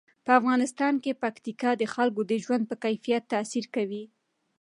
په افغانستان کې پکتیکا د خلکو د ژوند په کیفیت تاثیر کوي.